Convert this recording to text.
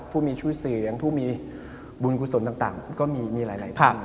ผู้มีชื่อเสียงผู้มีบุญกุศลต่างก็มีหลายท่าน